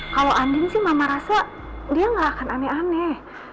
kalau andin sih mama rasa dia nggak akan aneh aneh